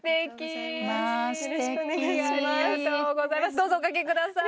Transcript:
どうぞおかけ下さい。